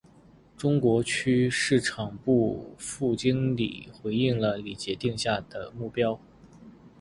中国区市场部副总经理回应了李杰定下的目标